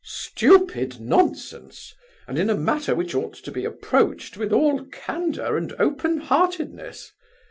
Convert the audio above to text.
Stupid nonsense, and in a matter which ought to be approached with all candour and open heartedness.